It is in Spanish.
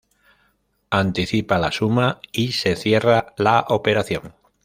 Anticipa la suma y se cierra la operación